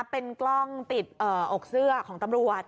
เป็นกล้องติดอกเสื้อของตำรวจ